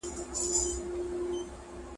که ماشوم ناروغ وي ژر تر ژره ډاکټر ته لاړ شئ.